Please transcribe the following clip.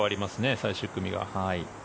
最終組が。